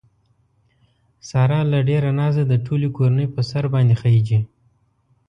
ساره له ډېره نازه د ټولې کورنۍ په سر باندې خېژي.